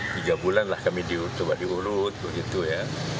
tiga bulan lah kami coba diulut begitu ya